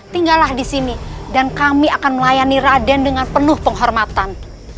tinggallah di sini dan kami akan melayani raden dengan penuh penghormatan